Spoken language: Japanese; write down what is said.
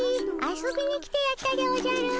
遊びに来てやったでおじゃる。